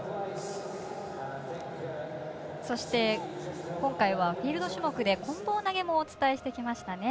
そして、今回はフィールド種目でこん棒投げもお伝えしてきましたね。